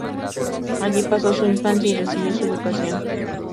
Allí pasó su infancia y recibió su educación.